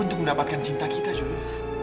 untuk mendapatkan cinta kita juga